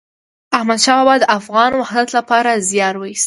احمد شاه بابا د افغان وحدت لپاره زیار وایست.